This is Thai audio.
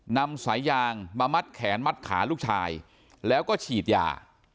นำสายยางมามัดแขนมัดขาลูกชายแล้วก็ฉีดยา